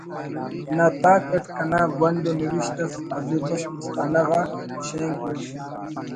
نا تاک اٹ کنا گونڈ ءُ نوشت اس حضور بخش مستانہ غا شینک مس